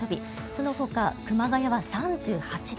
その他、熊谷は３８度。